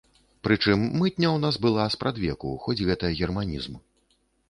Прычым мытня ў нас была спрадвеку, хоць гэта германізм.